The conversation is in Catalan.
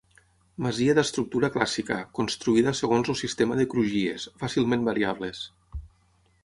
Masia d'estructura clàssica, construïda segons el sistema de crugies, fàcilment variables.